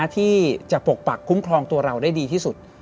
ที่จะปกปักคุ้มครองตัวเราได้ดีที่สุด